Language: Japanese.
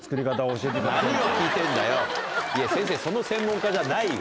先生その専門家じゃないよ。